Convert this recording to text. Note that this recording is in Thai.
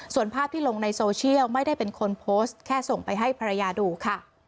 ส่วนภาพที่ลงในโซเชียลไม่ได้เป็นคนโพสต์แค่ส่งไปให้ภรรยาดูค่ะ